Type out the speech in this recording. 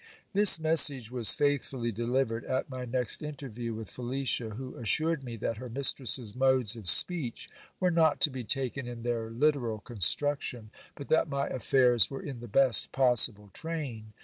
This message was faithfully delivered at my next interview with Felicia, who assured me that her mistress's modes of speech were not to be taken in their literal construction, but that my affairs were in the best possible train.